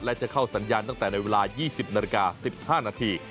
และจะเข้าสัญญาณตั้งแต่ในเวลายี่สิบนาฬิกาสิบห้านาที